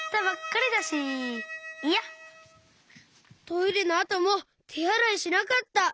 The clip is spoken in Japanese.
トイレのあともてあらいしなかった。